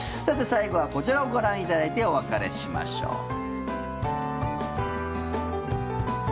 さて、最後はこちらをご覧いただいてお別れしましょう。